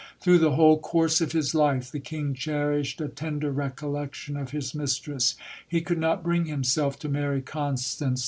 Through the whole course of his life, the king cherished a tender recollection of his mistress. He could not bring himself to marry Constance.